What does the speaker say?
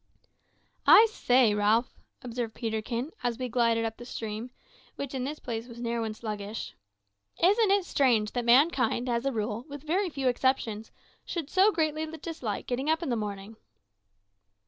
"I say, Ralph," observed Peterkin, as we glided up the stream, which in this place was narrow and sluggish, "isn't it strange that mankind, as a rule, with very few exceptions, should so greatly dislike getting up in the morning?"